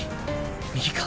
右か？